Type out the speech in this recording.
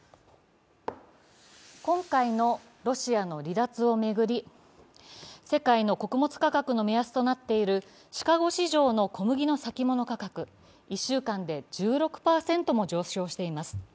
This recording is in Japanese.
今回のロシアの離脱を巡り、世界の穀物価格の目安となっているシカゴ市場の小麦の先物価格、１週間で１６％も上昇しています。